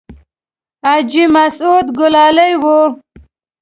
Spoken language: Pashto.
حاجي مسعود ګلالی و.